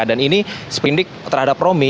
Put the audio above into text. dan ini seperindik terhadap romi